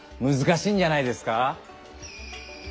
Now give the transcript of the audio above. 難しいんじゃないですか。